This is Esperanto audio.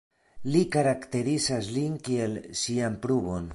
Li karakterizas lin kiel 'Sian pruvon'.